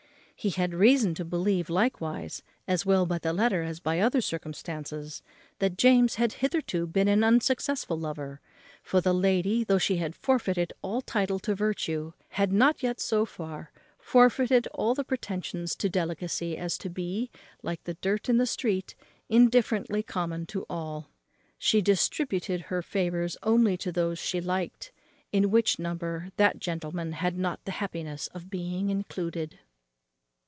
He had reason to believe, likewise, as well by the letter as by other circumstances, that James had hitherto been an unsuccessful lover; for the lady, though she had forfeited all title to virtue, had not yet so far forfeited all pretensions to delicacy as to be, like the dirt in the street, indifferently common to all. She distributed her favours only to those she liked, in which number that gentleman had not the happiness of being included.